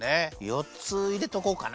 よっついれとこうかな。